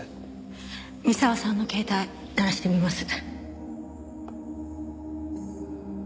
三沢さんの携帯鳴らしてみます。